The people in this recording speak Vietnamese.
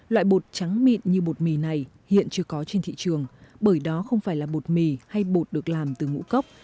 loại bột trắng mịn như bột mì này hiện chưa có trên thị trường bởi đó không phải là bột mì hay bột được làm từ ngũ cốc